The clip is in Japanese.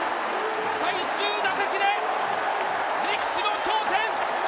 最終打席で歴史の頂点。